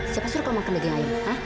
siapa suruh kau makan daging ayam